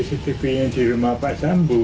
cctv nya di rumah bapak sambuh